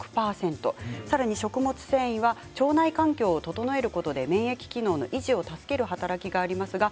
さらに食物繊維は腸内環境を整えることで免疫機能の維持を助ける働きがあります。